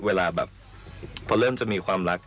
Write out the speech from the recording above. เวลาแบบพอเริ่มจะมีความรัก